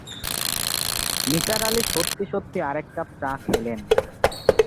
নিসার আলি সত্যি-সত্যি আরেক কাপ চা খেলেন।